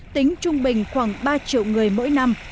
tính trung bình khoảng ba triệu người mỗi năm